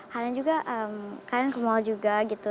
hana juga karna ke mall juga gitu